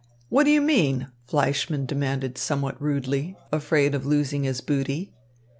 What do you mean?" Fleischmann demanded somewhat rudely, afraid of losing his booty.